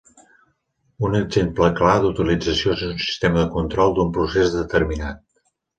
Un exemple clar d'utilització és en un sistema de control d'un procés determinat.